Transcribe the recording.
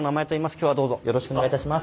今日はどうぞよろしくお願いいたします。